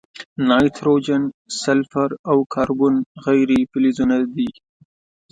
نایتروجن، سلفر، او کاربن غیر فلزونه دي.